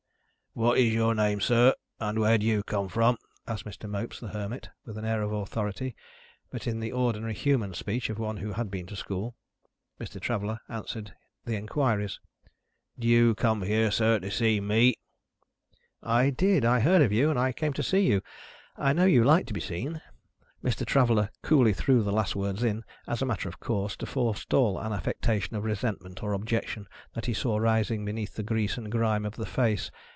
"What is your name, sir, and where do you come from?" asked Mr. Mopes the Hermit with an air of authority, but in the ordinary human speech of one who has been to school. Mr. Traveller answered the inquiries. "Did you come here, sir, to see me?" "I did. I heard of you, and I came to see you. I know you like to be seen." Mr. Traveller coolly threw the last words in, as a matter of course, to forestall an affectation of resentment or objection that he saw rising beneath the grease and grime of the face.